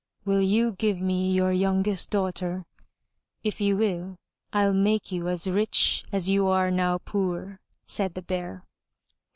''Will you give me your youngest daughter? If you will, rU make you as rich as you are now poor/' said the Bear.